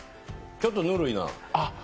ちょっとぬるいなぁ。